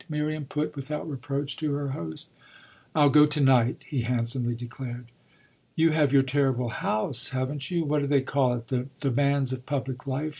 Miriam put, without reproach, to her host. "I'll go to night," he handsomely declared. "You have your terrible House, haven't you? What do they call it the demands of public life?"